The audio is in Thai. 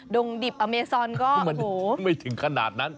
งดิบอเมซอนก็ไม่ถึงขนาดนั้น